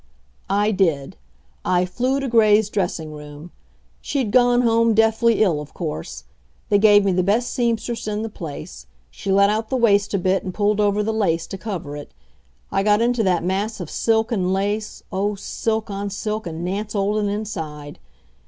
I did. I flew to Gray's dressing room. She'd gone home deathly ill, of course. They gave me the best seamstress in the place. She let out the waist a bit and pulled over the lace to cover it. I got into that mass of silk and lace oh, silk on silk, and Nance Olden inside!